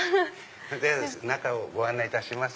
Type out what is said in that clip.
中をご案内いたします。